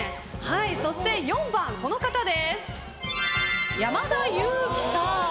そして４番、山田裕貴さん。